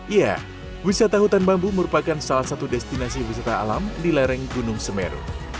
ya wisata hutan bambu merupakan salah satu destinasi wisata alam di lereng gunung semeru